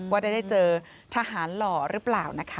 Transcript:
ว่าได้เจอทหารหล่อหรือเปล่านะคะ